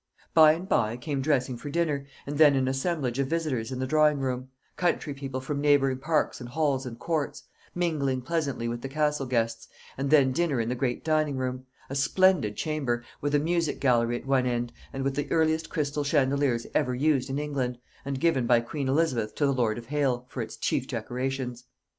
By and by came dressing for dinner, and then an assemblage of visitors in the drawing room county people from neighbouring parks and halls and courts mingling pleasantly with the Castle guests, and then dinner in the great dining room; a splendid chamber, with a music gallery at one end, and with the earliest crystal chandeliers ever used in England, and given by Queen Elizabeth to the Lord of Hale, for its chief decorations.